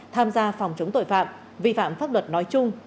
tham gia phòng chống tội phạm vi phạm pháp luật nói chung